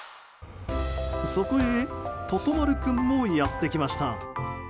そこへ、ととまる君もやってきました。